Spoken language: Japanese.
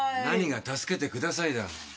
何が「助けてください」だ？